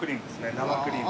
生クリーム。